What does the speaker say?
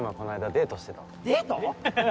デート！？